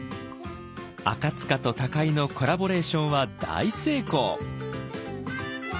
赤と高井のコラボレーションは大成功。